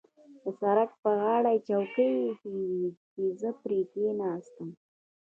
د سړک پر غاړه چوکۍ اېښې وې چې زه پرې کېناستم.